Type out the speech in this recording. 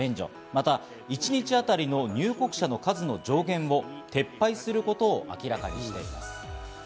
また、一日あたりの入国者の数の上限を撤廃することを明らかにしています。